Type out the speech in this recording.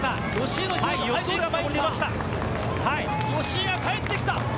吉居が帰ってきた。